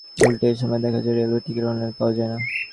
উল্টো এ সময় দেখা যায়, রেলওয়ের টিকিট অনলাইনে পাওয়া যায় না।